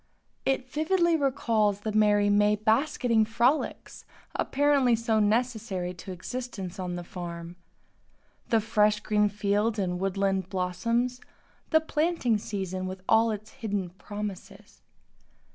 It vividly recalls the merry May basketing frolics, apparently so necessary to existence on the farm; the fresh green fields and woodland blossoms; the planting season with all its hidden promises.